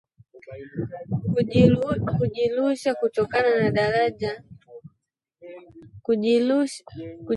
Kujirusha kutoka darajani pia ingekuwa njia rahisi ya kujiua lakini ilikuwa muda wa mchana